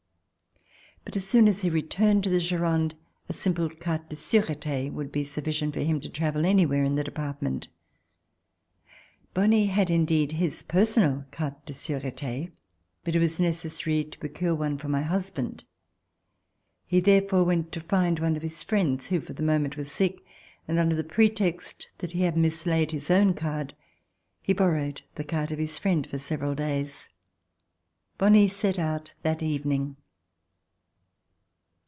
But as soon as he returned to the Gironde, a simple carte de surete would be sufficient for him to travel anywhere in the department. Bonie had indeed his personal carte de surete, but it was necessary to procure one for my husband. He therefore went to find one of his friends, who for the moment was sick, and under the pretext that he had mislaid his own card, he borrowed the card of his friend for several days. Bonie set out that evening.